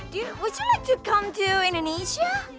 bisa ga kamu datang ke indonesia